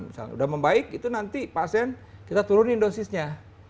misalnya sudah membaik itu nanti pasien kita turunin dosisnya